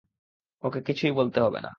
ওকে কিছুই বলতে হবে না।